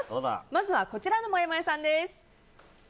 まずはこちらのもやもやさんです。